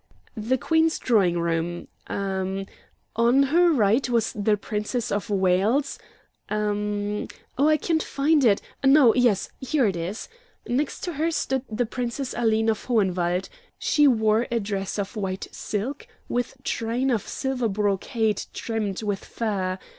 'The Queen's Drawing room' em e m 'on her right was the Princess of Wales' em m. Oh, I can't find it no yes, here it is. 'Next to her stood the Princess Aline of Hohenwald. She wore a dress of white silk, with train of silver brocade trimmed with fur.